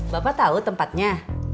bapak tau tempatnya